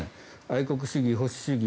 愛国主義、保守主義